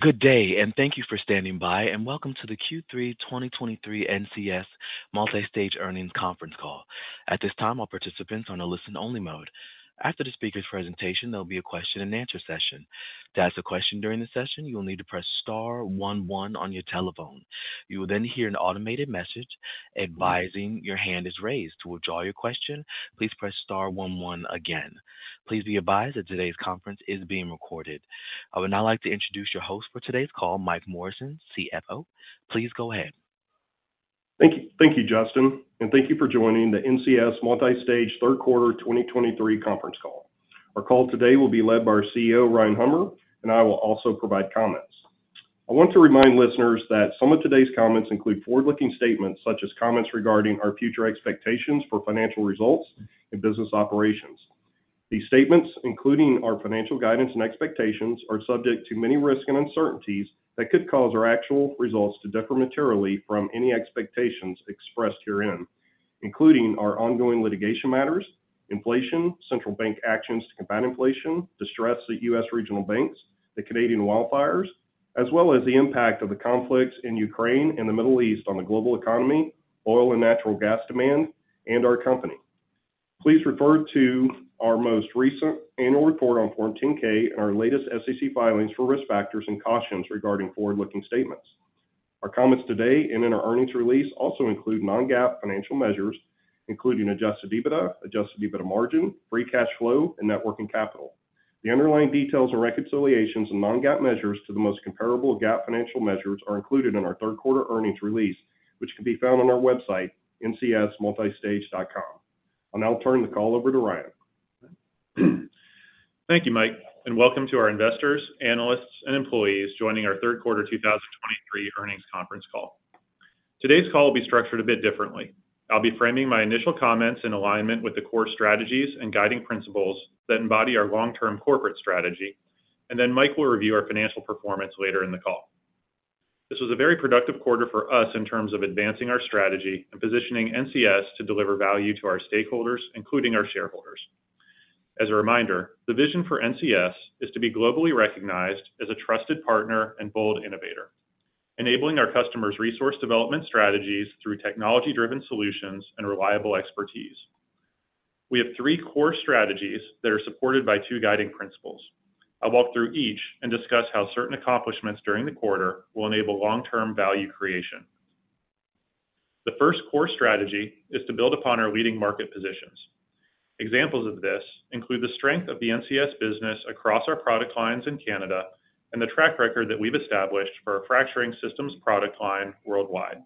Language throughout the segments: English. Good day, and thank you for standing by, and welcome to the Q3 2023 NCS Multistage Earnings Conference Call. At this time, all participants are on a listen-only mode. After the speaker's presentation, there'll be a question-and-answer session. To ask a question during the session, you will need to press star one one on your telephone. You will then hear an automated message advising your hand is raised. To withdraw your question, please press star one one again. Please be advised that today's conference is being recorded. I would now like to introduce your host for today's call, Mike Morrison, CFO. Please go ahead. Thank you. Thank you, Justin, and thank you for joining the NCS Multistage third quarter 2023 conference call. Our call today will be led by our CEO, Ryan Hummer, and I will also provide comments. I want to remind listeners that some of today's comments include forward-looking statements, such as comments regarding our future expectations for financial results and business operations. These statements, including our financial guidance and expectations, are subject to many risks and uncertainties that could cause our actual results to differ materially from any expectations expressed herein, including our ongoing litigation matters, inflation, central bank actions to combat inflation, distress at U.S. regional banks, the Canadian wildfires, as well as the impact of the conflicts in Ukraine and the Middle East on the global economy, oil and natural gas demand, and our company. Please refer to our most recent annual report on Form 10-K and our latest SEC filings for risk factors and cautions regarding forward-looking statements. Our comments today and in our earnings release also include non-GAAP financial measures, including Adjusted EBITDA, Adjusted EBITDA margin, Free cash flow, and Net working capital. The underlying details and reconciliations and non-GAAP measures to the most comparable GAAP financial measures are included in our third quarter earnings release, which can be found on our website, ncsmultistage.com. I'll now turn the call over to Ryan. Thank you, Mike, and welcome to our investors, analysts, and employees joining our third quarter 2023 earnings conference call. Today's call will be structured a bit differently. I'll be framing my initial comments in alignment with the core strategies and guiding principles that embody our long-term corporate strategy, and then Mike will review our financial performance later in the call. This was a very productive quarter for us in terms of advancing our strategy and positioning NCS to deliver value to our stakeholders, including our shareholders. As a reminder, the vision for NCS is to be globally recognized as a trusted partner and bold innovator, enabling our customers' resource development strategies through technology-driven solutions and reliable expertise. We have three core strategies that are supported by two guiding principles. I'll walk through each and discuss how certain accomplishments during the quarter will enable long-term value creation. The first core strategy is to build upon our leading market positions. Examples of this include the strength of the NCS business across our product lines in Canada and the track record that we've established for our fracturing systems product line worldwide.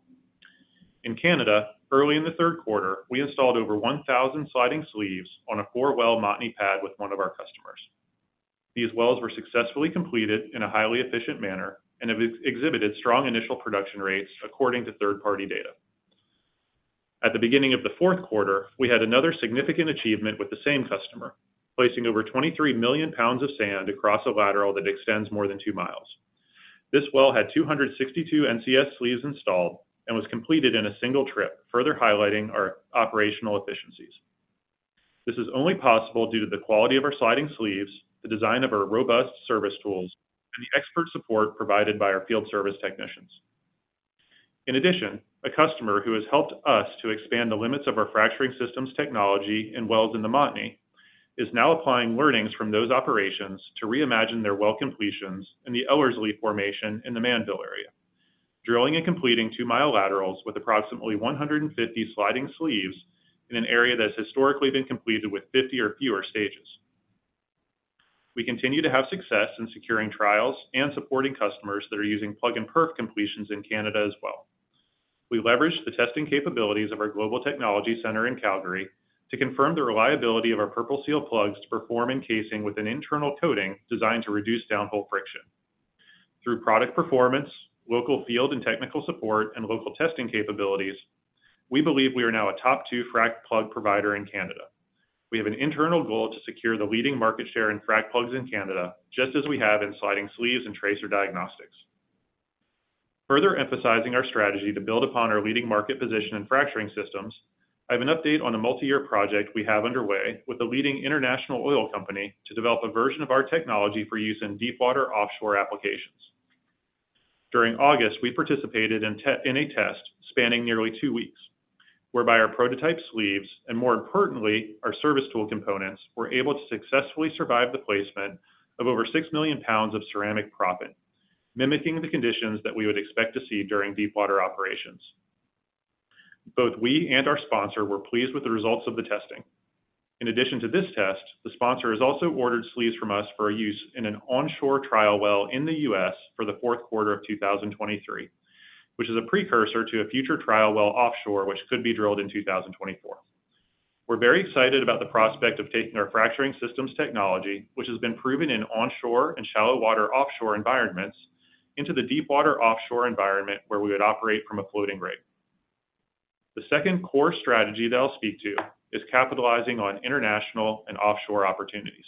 In Canada, early in the third quarter, we installed over 1,000 sliding sleeves on a four-well Montney pad with one of our customers. These wells were successfully completed in a highly efficient manner and have exhibited strong initial production rates according to third-party data. At the beginning of the fourth quarter, we had another significant achievement with the same customer, placing over 23 million pounds of sand across a lateral that extends more than 2 miles. This well had 262 NCS sleeves installed and was completed in a single trip, further highlighting our operational efficiencies. This is only possible due to the quality of our sliding sleeves, the design of our robust service tools, and the expert support provided by our field service technicians. In addition, a customer who has helped us to expand the limits of our fracturing systems technology in wells in the Montney, is now applying learnings from those operations to reimagine their well completions in the Ellerslie formation in the Mannville area, drilling and completing 2-mile laterals with approximately 150 sliding sleeves in an area that's historically been completed with 50 or fewer stages. We continue to have success in securing trials and supporting customers that are using plug and perf completions in Canada as well. We leveraged the testing capabilities of our Global Technology Center in Calgary to confirm the reliability of our PurpleSeal plugs to perform in casing with an internal coating designed to reduce downhole friction. Through product performance, local field and technical support, and local testing capabilities, we believe we are now a top two frac plug provider in Canada. We have an internal goal to secure the leading market share in frac plugs in Canada, just as we have in sliding sleeves and tracer diagnostics. Further emphasizing our strategy to build upon our leading market position in fracturing systems, I have an update on a multi-year project we have underway with a leading international oil company to develop a version of our technology for use in deepwater offshore applications. During August, we participated in a test spanning nearly two weeks, whereby our prototype sleeves, and more importantly, our service tool components, were able to successfully survive the placement of over 6 million pounds of ceramic proppant, mimicking the conditions that we would expect to see during deepwater operations. Both we and our sponsor were pleased with the results of the testing. In addition to this test, the sponsor has also ordered sleeves from us for a use in an onshore trial well in the U.S. for the fourth quarter of 2023, which is a precursor to a future trial well offshore, which could be drilled in 2024. We're very excited about the prospect of taking our fracturing systems technology, which has been proven in onshore and shallow water offshore environments, into the deepwater offshore environment, where we would operate from a floating rig. The second core strategy that I'll speak to is capitalizing on international and offshore opportunities.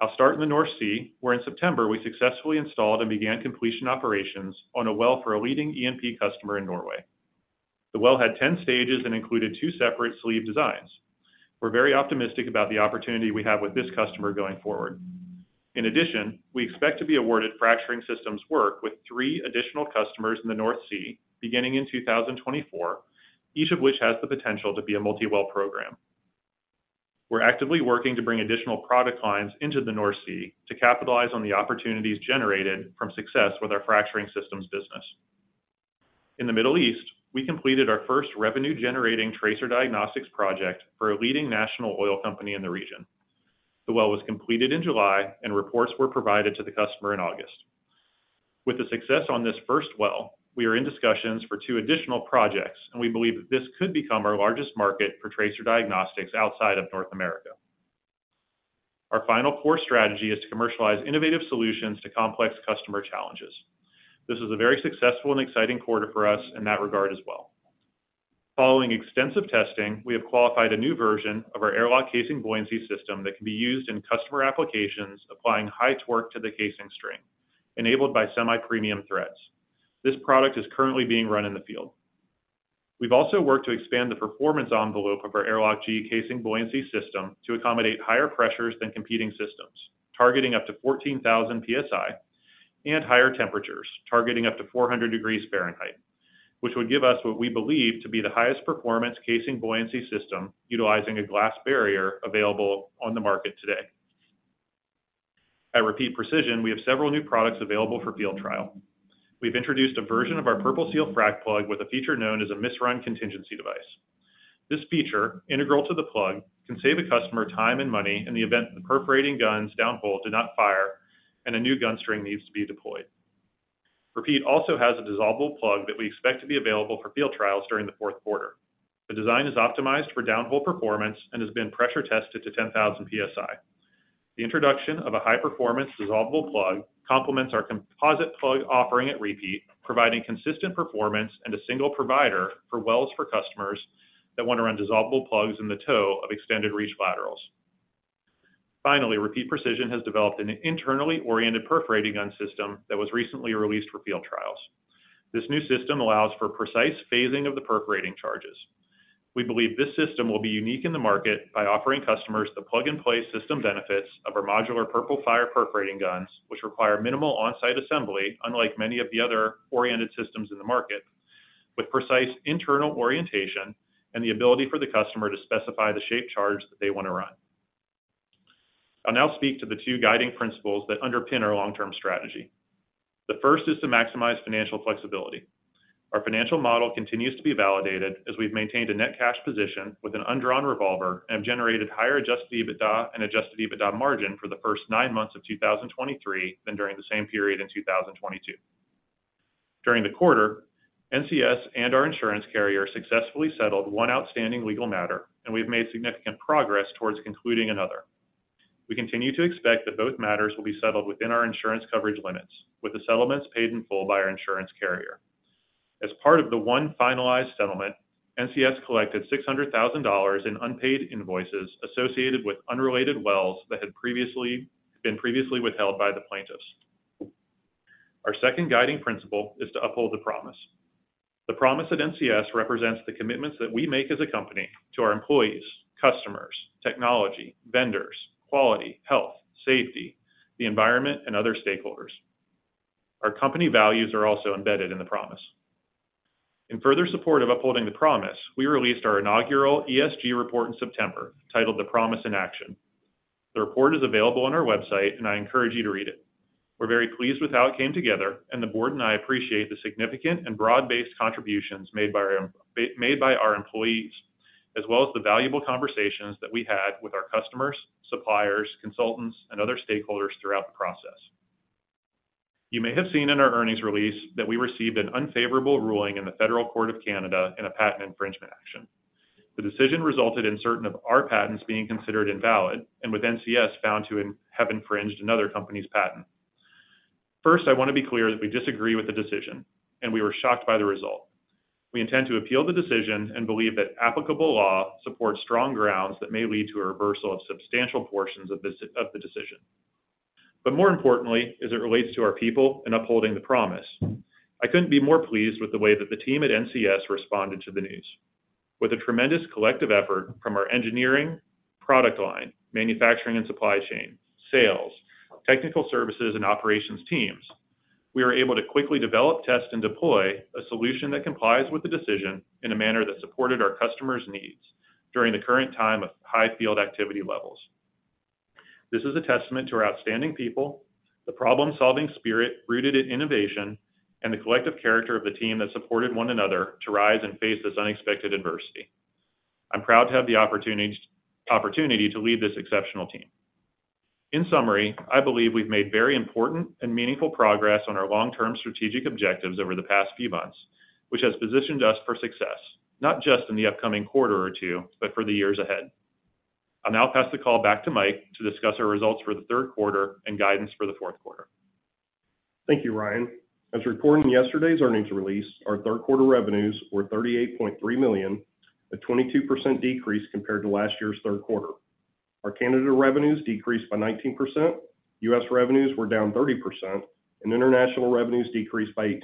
I'll start in the North Sea, where in September, we successfully installed and began completion operations on a well for a leading E&P customer in Norway. The well had 10 stages and included two separate sleeve designs. We're very optimistic about the opportunity we have with this customer going forward. In addition, we expect to be awarded fracturing systems work with three additional customers in the North Sea, beginning in 2024, each of which has the potential to be a multi-well program. We're actively working to bring additional product lines into the North Sea to capitalize on the opportunities generated from success with our fracturing systems business. In the Middle East, we completed our first revenue-generating tracer diagnostics project for a leading national oil company in the region. The well was completed in July, and reports were provided to the customer in August. With the success on this first well, we are in discussions for two additional projects, and we believe that this could become our largest market for tracer diagnostics outside of North America. Our final core strategy is to commercialize innovative solutions to complex customer challenges. This is a very successful and exciting quarter for us in that regard as well. Following extensive testing, we have qualified a new version of our AirLock casing buoyancy system that can be used in customer applications applying high torque to the casing string, enabled by semi-premium threads. This product is currently being run in the field. We've also worked to expand the performance envelope of our AirLock G casing buoyancy system to accommodate higher pressures than competing systems, targeting up to 14,000 PSI, and higher temperatures, targeting up to 400 degrees Fahrenheit, which would give us what we believe to be the highest performance casing buoyancy system utilizing a glass barrier available on the market today. At Repeat Precision, we have several new products available for field trial. We've introduced a version of our PurpleSeal frac plug with a feature known as a misrun contingency device. This feature, integral to the plug, can save a customer time and money in the event the perforating guns downhole do not fire and a new gun string needs to be deployed. Repeat also has a dissolvable plug that we expect to be available for field trials during the fourth quarter. The design is optimized for downhole performance and has been pressure tested to 10,000 PSI. The introduction of a high-performance dissolvable plug complements our composite plug offering at Repeat, providing consistent performance and a single provider for wells for customers that want to run dissolvable plugs in the toe of extended reach laterals. Finally, Repeat Precision has developed an internally oriented perforating gun system that was recently released for field trials. This new system allows for precise phasing of the perforating charges. We believe this system will be unique in the market by offering customers the plug-and-play system benefits of our modular PurpleFire perforating guns, which require minimal on-site assembly, unlike many of the other oriented systems in the market, with precise internal orientation and the ability for the customer to specify the shaped charge that they want to run. I'll now speak to the two guiding principles that underpin our long-term strategy. The first is to maximize financial flexibility. Our financial model continues to be validated as we've maintained a net cash position with an undrawn revolver and have generated higher Adjusted EBITDA and Adjusted EBITDA margin for the first nine months of 2023 than during the same period in 2022. During the quarter, NCS and our insurance carrier successfully settled one outstanding legal matter, and we've made significant progress towards concluding another. We continue to expect that both matters will be settled within our insurance coverage limits, with the settlements paid in full by our insurance carrier. As part of the one finalized settlement, NCS collected $600,000 in unpaid invoices associated with unrelated wells that had previously been withheld by the plaintiffs. Our second guiding principle is to uphold the promise. The promise at NCS represents the commitments that we make as a company to our employees, customers, technology, vendors, quality, health, safety, the environment, and other stakeholders. Our company values are also embedded in the promise. In further support of upholding the promise, we released our inaugural ESG report in September, titled The Promise in Action. The report is available on our website, and I encourage you to read it. We're very pleased with how it came together, and the board and I appreciate the significant and broad-based contributions made by our employees, as well as the valuable conversations that we had with our customers, suppliers, consultants, and other stakeholders throughout the process. You may have seen in our earnings release that we received an unfavorable ruling in the Federal Court of Canada in a patent infringement action. The decision resulted in certain of our patents being considered invalid, and with NCS found to have infringed another company's patent. First, I want to be clear that we disagree with the decision, and we were shocked by the result. We intend to appeal the decision and believe that applicable law supports strong grounds that may lead to a reversal of substantial portions of the decision. But more importantly, as it relates to our people and upholding the promise, I couldn't be more pleased with the way that the team at NCS responded to the news. With a tremendous collective effort from our engineering, product line, manufacturing and supply chain, sales, technical services, and operations teams, we were able to quickly develop, test, and deploy a solution that complies with the decision in a manner that supported our customers' needs during the current time of high field activity levels. This is a testament to our outstanding people, the problem-solving spirit rooted in innovation, and the collective character of the team that supported one another to rise and face this unexpected adversity. I'm proud to have the opportunity to lead this exceptional team. In summary, I believe we've made very important and meaningful progress on our long-term strategic objectives over the past few months, which has positioned us for success, not just in the upcoming quarter or two, but for the years ahead. I'll now pass the call back to Mike to discuss our results for the third quarter and guidance for the fourth quarter. Thank you, Ryan. As reported in yesterday's earnings release, our third quarter revenues were $38.3 million, a 22% decrease compared to last year's third quarter. Our Canada revenues decreased by 19%, U.S. revenues were down 30%, and international revenues decreased by 18%.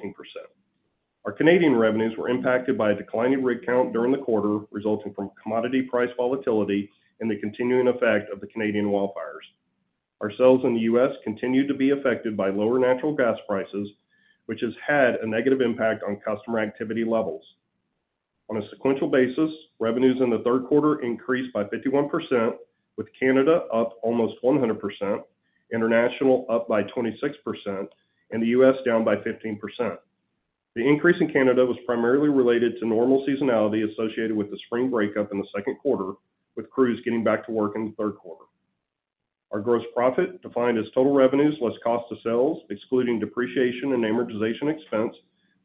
Our Canadian revenues were impacted by a declining rig count during the quarter, resulting from commodity price volatility and the continuing effect of the Canadian wildfires. Our sales in the U.S. continued to be affected by lower natural gas prices, which has had a negative impact on customer activity levels. On a sequential basis, revenues in the third quarter increased by 51%, with Canada up almost 100%, international up by 26%, and the U.S. down by 15%. The increase in Canada was primarily related to normal seasonality associated with the spring breakup in the second quarter, with crews getting back to work in the third quarter. Our gross profit, defined as total revenues less cost of sales, excluding depreciation and amortization expense,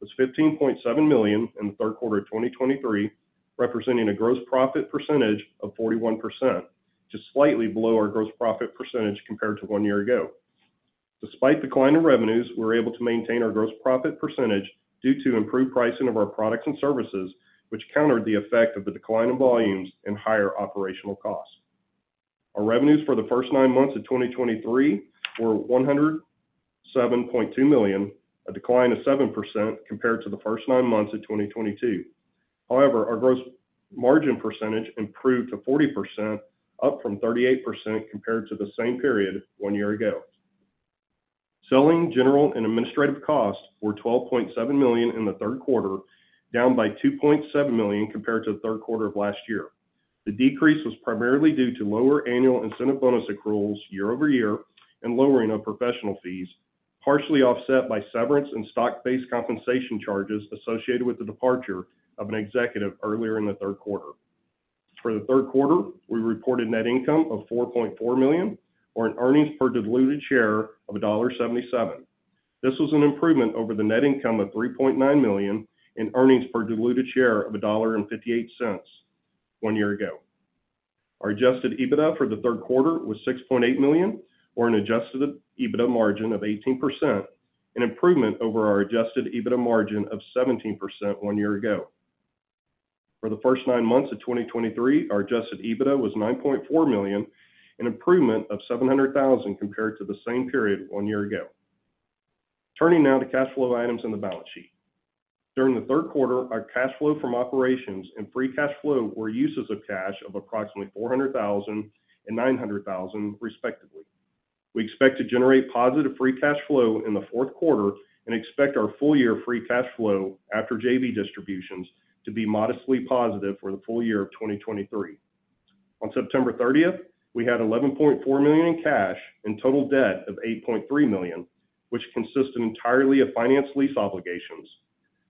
was $15.7 million in the third quarter of 2023, representing a gross profit percentage of 41%, just slightly below our gross profit percentage compared to one year ago. Despite declining revenues, we were able to maintain our gross profit percentage due to improved pricing of our products and services, which countered the effect of the decline in volumes and higher operational costs. Our revenues for the first nine months of 2023 were $107.2 million, a decline of 7% compared to the first nine months of 2022. However, our gross margin percentage improved to 40%, up from 38% compared to the same period one year ago. Selling, general, and administrative costs were $12.7 million in the third quarter, down by $2.7 million compared to the third quarter of last year. The decrease was primarily due to lower annual incentive bonus accruals year over year and lowering of professional fees, partially offset by severance and stock-based compensation charges associated with the departure of an executive earlier in the third quarter. For the third quarter, we reported net income of $4.4 million, or an earnings per diluted share of $1.77. This was an improvement over the net income of $3.9 million, in earnings per diluted share of $1.58 one year ago. Our Adjusted EBITDA for the third quarter was $6.8 million, or an Adjusted EBITDA margin of 18%, an improvement over our Adjusted EBITDA margin of 17% one year ago. For the first nine months of 2023, our Adjusted EBITDA was $9.4 million, an improvement of $700,000 compared to the same period one year ago. Turning now to cash flow items on the balance sheet. During the third quarter, our cash flow from operations and free cash flow were uses of cash of approximately $400,000 and $900,000, respectively. We expect to generate positive free cash flow in the fourth quarter and expect our full year free cash flow after JV distributions to be modestly positive for the full year of 2023. On September 30, we had $11.4 million in cash and total debt of $8.3 million, which consisted entirely of finance lease obligations,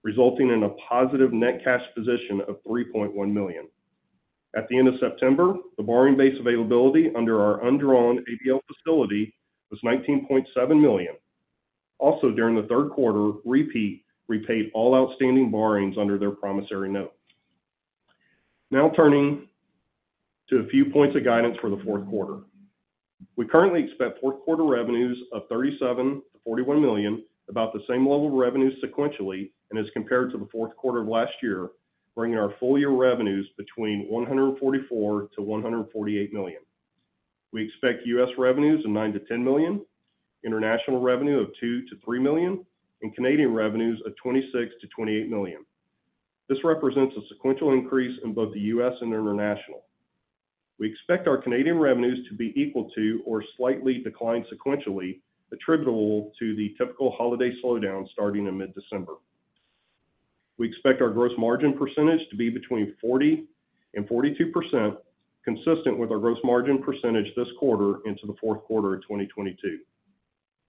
resulting in a positive net cash position of $3.1 million. At the end of September, the borrowing base availability under our undrawn ABL facility was $19.7 million. Also, during the third quarter, Repeat repaid all outstanding borrowings under their promissory note. Now turning to a few points of guidance for the fourth quarter. We currently expect fourth quarter revenues of $37 million-$41 million, about the same level of revenues sequentially and as compared to the fourth quarter of last year, bringing our full year revenues between $144 million-$148 million. We expect U.S. revenues of $9 million-$10 million, international revenue of $2 million-$3 million, and Canadian revenues of $26 million-$28 million. This represents a sequential increase in both the U.S. and international. We expect our Canadian revenues to be equal to or slightly decline sequentially, attributable to the typical holiday slowdown starting in mid-December. We expect our gross margin percentage to be between 40%-42%, consistent with our gross margin percentage this quarter into the fourth quarter of 2022.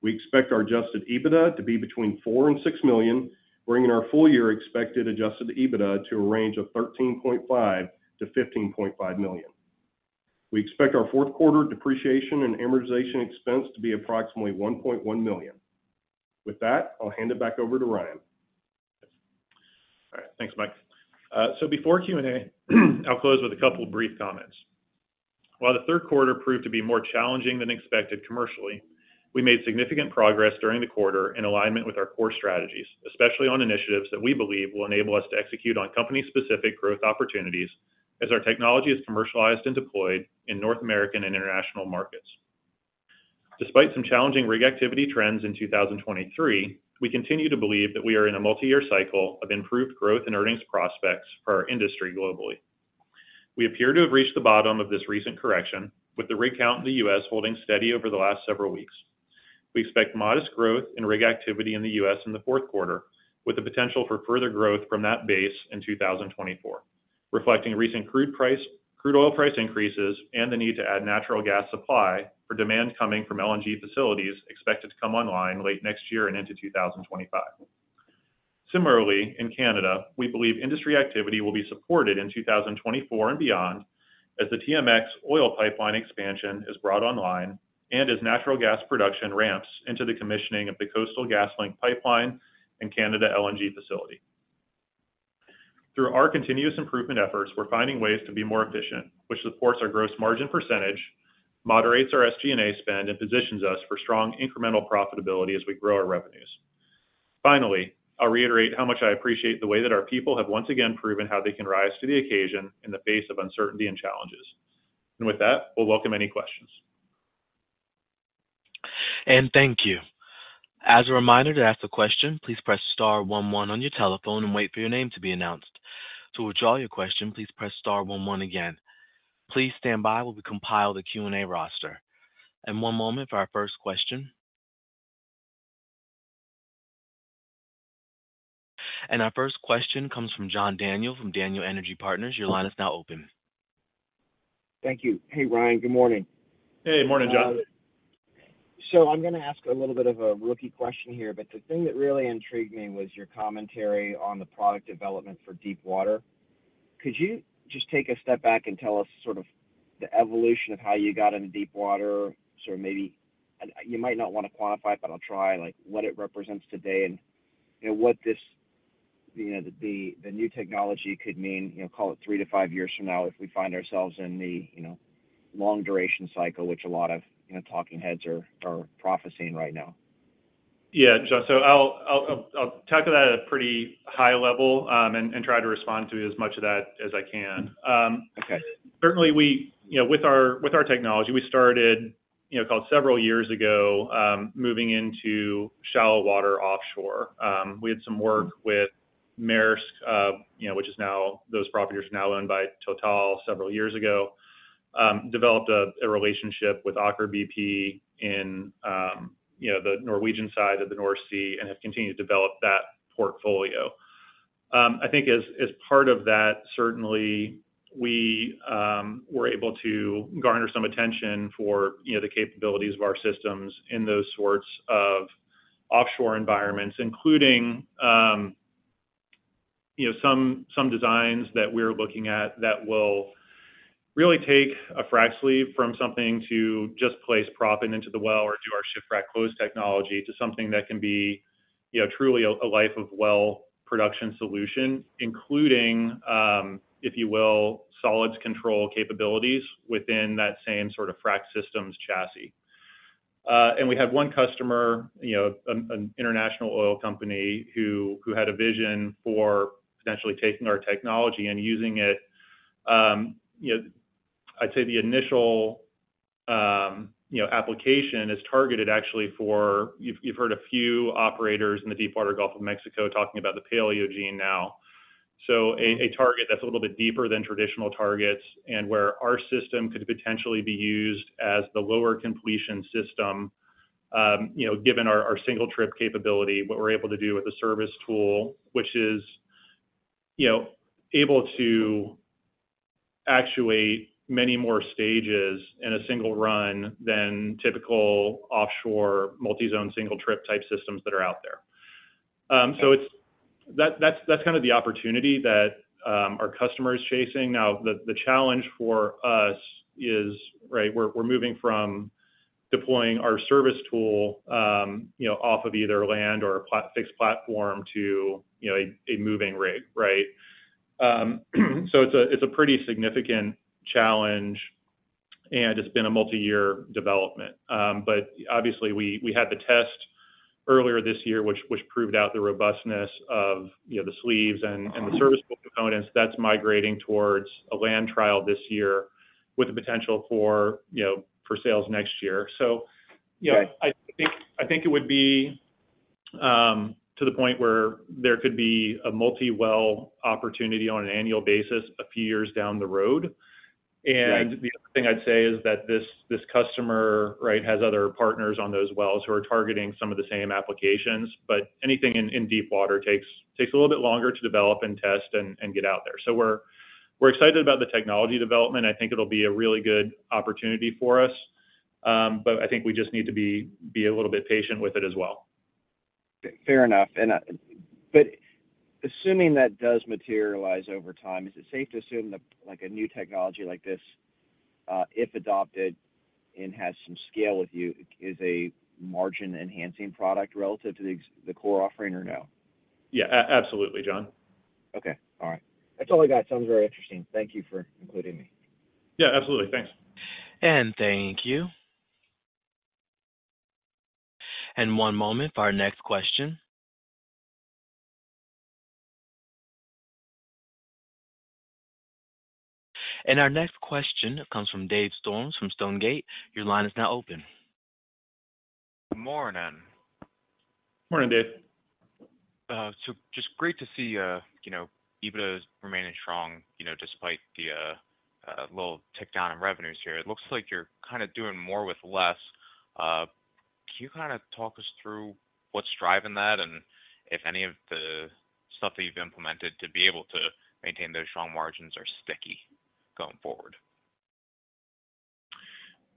We expect our Adjusted EBITDA to be between $4 million-$6 million, bringing our full year expected Adjusted EBITDA to a range of $13.5 million-$15.5 million. We expect our fourth quarter depreciation and amortization expense to be approximately $1.1 million. With that, I'll hand it back over to Ryan. All right. Thanks, Mike. So before Q&A, I'll close with a couple of brief comments. While the third quarter proved to be more challenging than expected commercially, we made significant progress during the quarter in alignment with our core strategies, especially on initiatives that we believe will enable us to execute on company-specific growth opportunities as our technology is commercialized and deployed in North American and international markets. Despite some challenging rig activity trends in 2023, we continue to believe that we are in a multi-year cycle of improved growth and earnings prospects for our industry globally. We appear to have reached the bottom of this recent correction, with the rig count in the U.S. holding steady over the last several weeks. We expect modest growth in rig activity in the U.S. in the fourth quarter, with the potential for further growth from that base in 2024, reflecting recent crude oil price increases and the need to add natural gas supply for demand coming from LNG facilities expected to come online late next year and into 2025. Similarly, in Canada, we believe industry activity will be supported in 2024 and beyond as the TMX oil pipeline expansion is brought online and as natural gas production ramps into the commissioning of the Coastal GasLink pipeline and Canada LNG facility. Through our continuous improvement efforts, we're finding ways to be more efficient, which supports our gross margin percentage, moderates our SG&A spend, and positions us for strong incremental profitability as we grow our revenues. Finally, I'll reiterate how much I appreciate the way that our people have once again proven how they can rise to the occasion in the face of uncertainty and challenges. And with that, we'll welcome any questions. Thank you. As a reminder, to ask a question, please press star one one on your telephone and wait for your name to be announced. To withdraw your question, please press star one one again. Please stand by while we compile the Q&A roster. One moment for our first question. Our first question comes from John Daniel from Daniel Energy Partners. Your line is now open. Thank you. Hey, Ryan. Good morning. Hey, morning, John. So I'm gonna ask a little bit of a rookie question here, but the thing that really intrigued me was your commentary on the product development for deep water. Could you just take a step back and tell us sort of the evolution of how you got into deep water? So maybe, you might not want to quantify it, but I'll try, like, what it represents today and, you know, what this, you know, the, the new technology could mean, you know, call it three to five years from now if we find ourselves in the, you know, long duration cycle, which a lot of, you know, talking heads are, are prophesying right now. Yeah, John. So I'll talk about it at a pretty high level, and try to respond to as much of that as I can. Okay. Certainly we, you know, with our, with our technology, we started, you know, call it several years ago, moving into shallow water offshore. We had some work with Maersk, you know, which is now, those properties are now owned by Total several years ago. Developed a relationship with Aker BP in, you know, the Norwegian side of the North Sea and have continued to develop that portfolio. I think as part of that, certainly we were able to garner some attention for, you know, the capabilities of our systems in those sorts of offshore environments, including, you know, some designs that we're looking at that will really take a frac sleeve from something to just place proppant into the well or do our ShiftFrac close technology, to something that can be, you know, truly a life of well production solution, including, if you will, solids control capabilities within that same sort of frac systems chassis. And we have one customer, you know, an international oil company, who had a vision for potentially taking our technology and using it. You know, I'd say the initial application is targeted actually for. You've heard a few operators in the deepwater Gulf of Mexico talking about the Paleogene now. So a target that's a little bit deeper than traditional targets and where our system could potentially be used as the lower completion system, you know, given our single trip capability, what we're able to do with a service tool, which is, you know, able to actuate many more stages in a single run than typical offshore multi-zone, single trip type systems that are out there. So it's that, that's kind of the opportunity that our customer is chasing. Now, the challenge for us is, right, we're moving from deploying our service tool, you know, off of either land or fixed platform to, you know, a moving rig, right? So it's a pretty significant challenge, and it's been a multi-year development. But obviously, we had the test earlier this year, which proved out the robustness of, you know, the sleeves and the service components that's migrating towards a land trial this year with the potential for, you know, sales next year. So, you know- Okay. I think it would be to the point where there could be a multi-well opportunity on an annual basis a few years down the road. Right. The other thing I'd say is that this customer, right, has other partners on those wells who are targeting some of the same applications, but anything in deep water takes a little bit longer to develop and test and get out there. So we're excited about the technology development. I think it'll be a really good opportunity for us, but I think we just need to be a little bit patient with it as well. Fair enough. And, but assuming that does materialize over time, is it safe to assume that, like, a new technology like this, if adopted and has some scale with you, is a margin-enhancing product relative to the core offering or no? Yeah, absolutely, John. Okay, all right. That's all I got. Sounds very interesting. Thank you for including me. Yeah, absolutely. Thanks. Thank you. One moment for our next question. Our next question comes from Dave Storms from Stonegate. Your line is now open. Good morning. Morning, Dave. Just great to see, you know, EBITDA remaining strong, you know, despite the little tick down in revenues here. It looks like you're kind of doing more with less. Can you kind of talk us through what's driving that, and if any of the stuff that you've implemented to be able to maintain those strong margins are sticky going forward?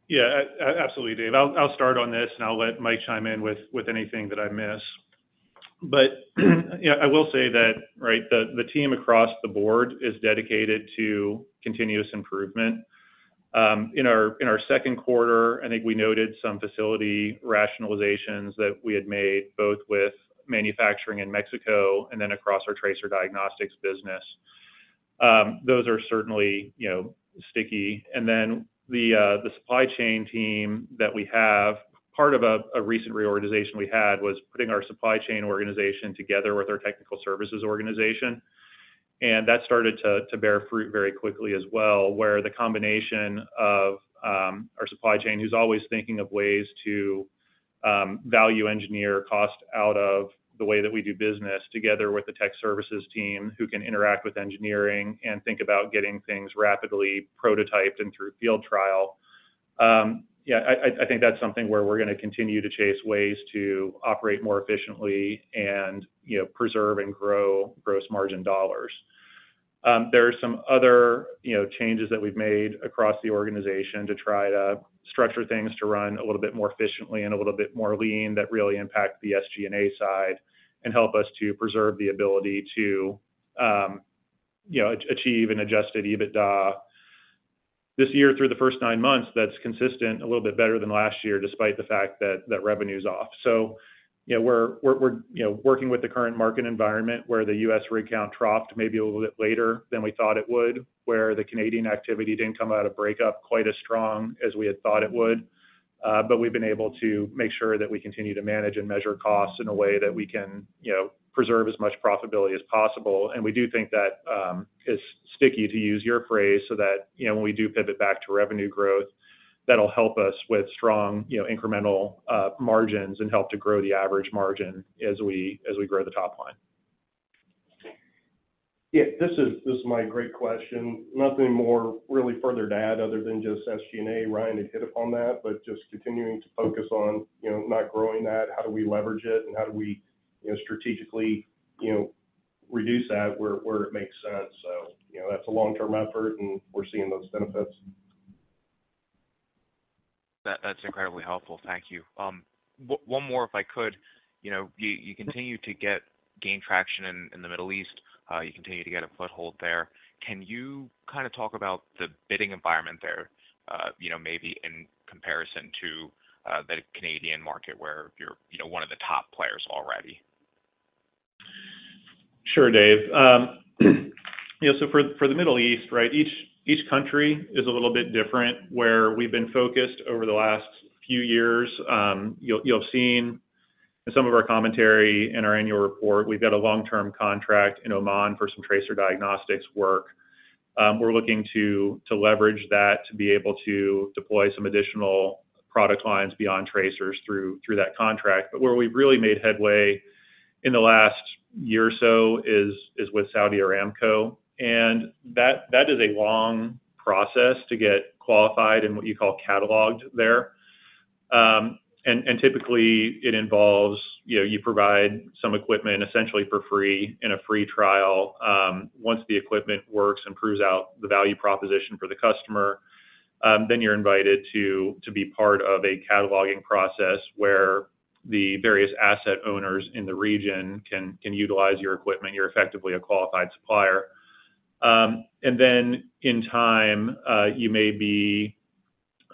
Yeah, absolutely, Dave. I'll start on this, and I'll let Mike chime in with anything that I miss. But, you know, I will say that, right, the team across the board is dedicated to continuous improvement. In our second quarter, I think we noted some facility rationalizations that we had made, both with manufacturing in Mexico and then across our tracer diagnostics business. Those are certainly, you know, sticky. And then the supply chain team that we have, part of a recent reorganization we had was putting our supply chain organization together with our technical services organization. And that started to bear fruit very quickly as well, where the combination of our supply chain, who's always thinking of ways to value engineer cost out of the way that we do business, together with the tech services team, who can interact with engineering and think about getting things rapidly prototyped and through field trial. Yeah, I think that's something where we're gonna continue to chase ways to operate more efficiently and, you know, preserve and grow gross margin dollars. There are some other, you know, changes that we've made across the organization to try to structure things to run a little bit more efficiently and a little bit more lean that really impact the SG&A side, and help us to preserve the ability to, you know, achieve an Adjusted EBITDA. This year, through the first nine months, that's consistent, a little bit better than last year, despite the fact that, that revenue is off. So, you know, we're, you know, working with the current market environment, where the U.S. rig count dropped maybe a little bit later than we thought it would, where the Canadian activity didn't come out of breakup quite as strong as we had thought it would. But we've been able to make sure that we continue to manage and measure costs in a way that we can, you know, preserve as much profitability as possible. We do think that it's sticky, to use your phrase, so that, you know, when we do pivot back to revenue growth, that'll help us with strong, you know, incremental margins and help to grow the average margin as we grow the top line. Yeah, this is my great question. Nothing more really further to add other than just SG&A. Ryan had hit upon that, but just continuing to focus on, you know, not growing that. How do we leverage it? And how do we, you know, strategically, you know, reduce that where it makes sense? So, you know, that's a long-term effort, and we're seeing those benefits. That, that's incredibly helpful. Thank you. One more, if I could. You know, you continue to gain traction in the Middle East. You continue to get a foothold there. Can you kinda talk about the bidding environment there, you know, maybe in comparison to the Canadian market, where you're one of the top players already? Sure, Dave. You know, so for the Middle East, right? Each country is a little bit different where we've been focused over the last few years. You've seen in some of our commentary in our annual report, we've got a long-term contract in Oman for some tracer diagnostics work. We're looking to leverage that to be able to deploy some additional product lines beyond tracers through that contract. But where we've really made headway in the last year or so is with Saudi Aramco, and that is a long process to get qualified in what you call cataloged there. And typically, it involves, you know, you provide some equipment essentially for free in a free trial. Once the equipment works and proves out the value proposition for the customer, then you're invited to be part of a cataloging process where the various asset owners in the region can utilize your equipment. You're effectively a qualified supplier. And then, in time, you may be,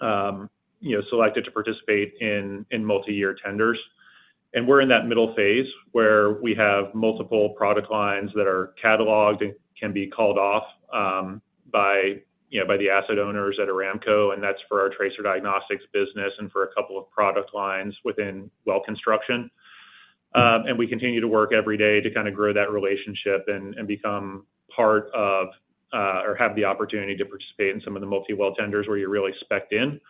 you know, selected to participate in multiyear tenders. And we're in that middle phase, where we have multiple product lines that are cataloged and can be called off by, you know, the asset owners at Aramco, and that's for our tracer diagnostics business and for a couple of product lines within well construction. And we continue to work every day to kinda grow that relationship and become part of or have the opportunity to participate in some of the multi-well tenders, where you're really spec'd in.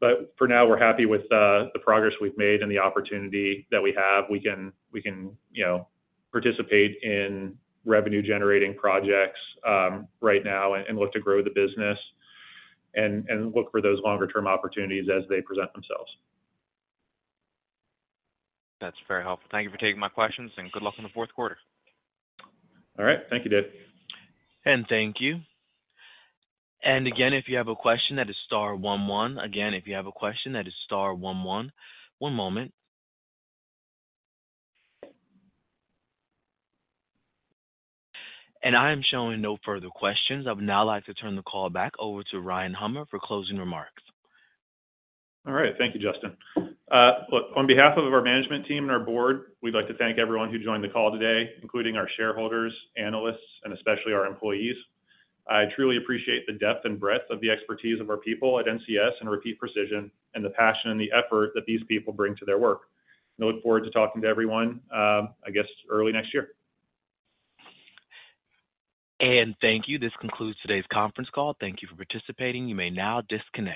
But for now, we're happy with the progress we've made and the opportunity that we have. We can, we can, you know, participate in revenue-generating projects right now and look to grow the business, and, and look for those longer-term opportunities as they present themselves. That's very helpful. Thank you for taking my questions, and good luck on the fourth quarter. All right. Thank you, Dave. Thank you. Again, if you have a question, that is star one one. Again, if you have a question, that is star one one. One moment. I am showing no further questions. I would now like to turn the call back over to Ryan Hummer for closing remarks. All right. Thank you, Justin. Look, on behalf of our management team and our board, we'd like to thank everyone who joined the call today, including our shareholders, analysts, and especially our employees. I truly appreciate the depth and breadth of the expertise of our people at NCS and Repeat Precision, and the passion and the effort that these people bring to their work. And I look forward to talking to everyone, I guess, early next year. Thank you. This concludes today's conference call. Thank you for participating. You may now disconnect.